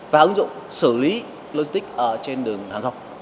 và ứng dụng xử lý logistic trên đường hàng học